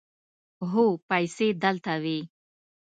هو، پیسې دلته وې